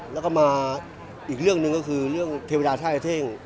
แล้วก็มาอีกเรื่องหนึ่งก็คือเรื่องเทวดาท่ายเท่ง